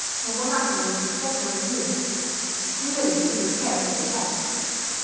Nobunaga waited several years, merely to prepare for the attack.